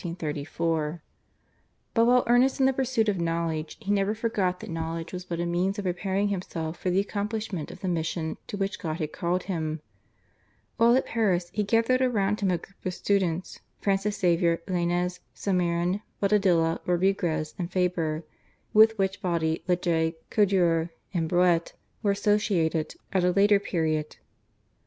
But while earnest in the pursuit of knowledge he never forgot that knowledge was but a means of preparing himself for the accomplishment of the mission to which God had called him. While at Paris he gathered around him a group of students, Francis Xavier, Lainez, Salmeron, Bodadilla, Rodriguez and Faber, with which body Lejay, Codure and Broet were associated at a later period.